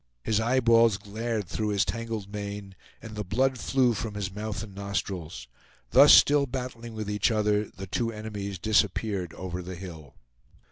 His eyeballs glared through his tangled mane, and the blood flew from his mouth and nostrils. Thus, still battling with each other, the two enemies disappeared over the hill.